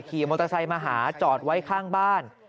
ขี่มอเตอร์ไซค์มาหาจอดไว้ข้างบ้าน